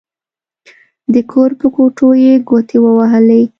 د کور په کوټو يې ګوتې ووهلې.